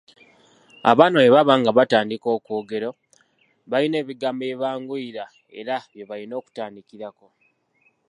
Abaana bwe baba nga batandika okwogera balina ebigambo ebibanguyira era bye balina okutandikirako.